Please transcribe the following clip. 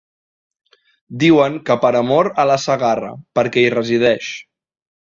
Diuen que per amor a la Segarra, perquè hi resideix.